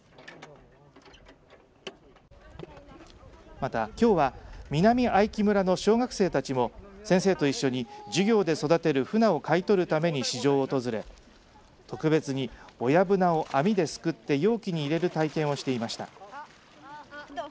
また、きょうは南相木村の小学生たちも先生と一緒に授業で育てるふなを買い取るために支場を訪れ特別に親ぶなを網ですくって容器に入れる体験をしていました。